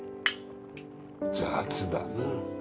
雑だな。